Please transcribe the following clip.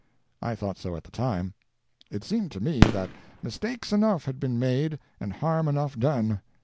I thought so at the time. It seemed to me that mistakes enough had been made and harm enough done.